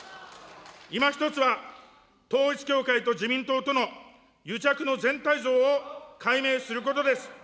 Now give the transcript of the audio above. いまひとつは、統一教会と自民党との癒着の全体像を解明することです。